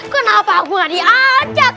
kenapa aku nggak diajak